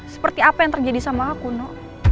seperti apa yang terjadi sama aku nu